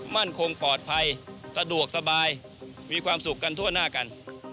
มั่นคงปลอดภัยสะดวกสบายมีความสุขกันทั่วหน้ากัน